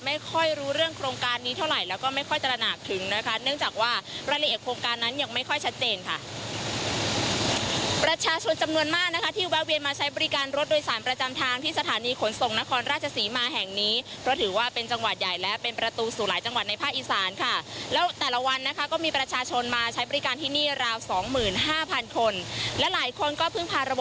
พรมพันธ์ใจแบรนด์งานมาจากจังหวัดนครราชศรีมาครับ